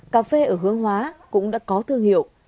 cà phê ở hướng hóa cũng đã có thương hiệu